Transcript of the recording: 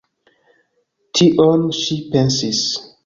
Tion ŝi pensis!